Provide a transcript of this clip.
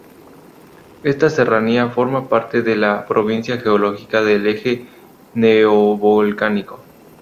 Esta serranía forma parte de la provincia geológica del Eje Neovolcánico.